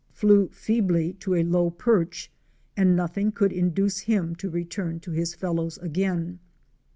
flew feebly to a low perch and nothing could induce him to return to his fellows again.